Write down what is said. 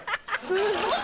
すごい。